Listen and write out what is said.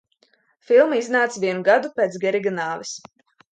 Filma iznāca vienu gadu pēc Geriga nāves.